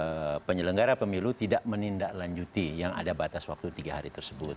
jadi bukan pada poin dimana penyelenggara pemilu tidak menindaklanjuti yang ada batas waktu tiga hari tersebut